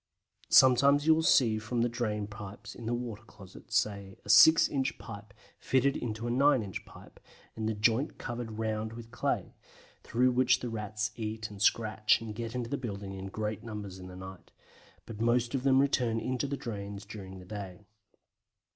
Sometimes you will see from the drain pipes in the water closet, say, a six inch pipe fitted into a nine inch pipe, and the joint covered round with clay, through which the Rats eat and scratch and get into the building in great numbers in the night, but most of them return into the drains during the day.